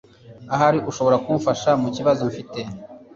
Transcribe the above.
Ahari ushobora kumfasha mukibazo mfite.